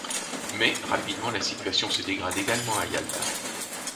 Mais, rapidement, la situation se dégrade également à Yalta.